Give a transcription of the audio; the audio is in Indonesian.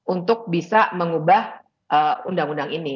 untuk bisa mengubah undang undang ini